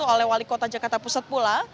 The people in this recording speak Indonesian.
oleh wali kota jakarta pusat pula